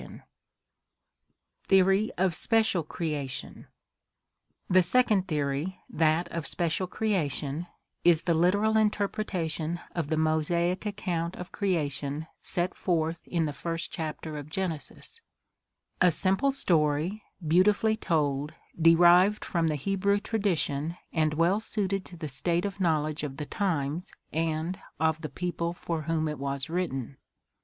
4 ORGANIC EVOLUTION TJieory of Special Creation The second theory, that of Special Creation, is the literal inter pretation of the Mosaic account of creation set forth in the first chapter of Genesis — a simple story, beautifully told, derived from the Hebrew tradition and well suited to the state of knowledge of the times and of the people for whom it was written.